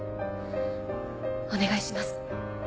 お願いします。